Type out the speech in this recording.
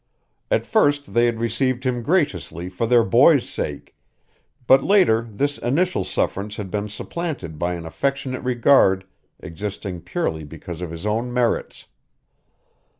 At first they had received him graciously for their boy's sake, but later this initial sufferance had been supplanted by an affectionate regard existing purely because of his own merits.